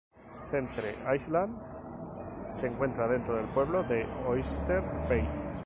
Centre Island se encuentra dentro del pueblo de Oyster Bay.